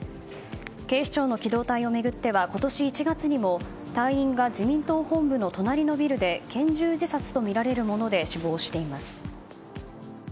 警視庁の機動隊を巡っては今年１月にも隊員が自民党本部の隣のビルで拳銃自殺とみられるもので死亡しています。